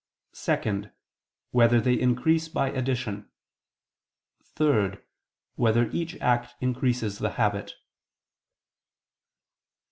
(2) Whether they increase by addition? (3) Whether each act increases the habit?